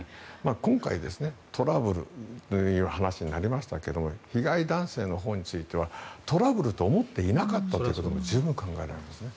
今回、トラブルという話になりましたが被害男性のほうについてはトラブルと思っていなかったということも十分考えられますね。